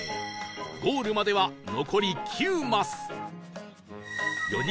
ゴールまでは残り９マス